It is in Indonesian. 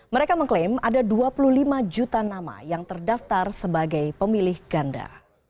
mereka mengklaim ada dua puluh lima juta nama yang terdaftar sebagai pemilih ganda